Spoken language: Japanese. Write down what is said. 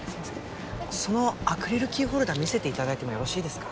そのアクリルキーホルダー見せて頂いてもよろしいですか？